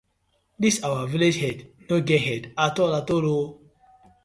Dis our villag head no get head atoll atoll oo.